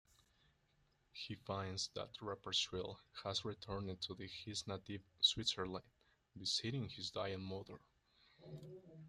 He finds that Rapperschwyll has returned to his native Switzerland, visiting his dying mother.